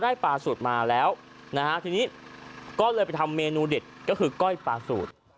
ได้ปลาสูตรมาแล้วทีนี้ไปทำเมนูเด็ดก็คือก้อยปลาสูตร